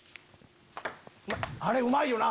あれうまいよな！